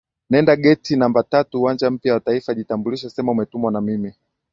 Nenda geti namba tatu uwanja mpya wa Taifa jitambulishe sema umetumwa na mimi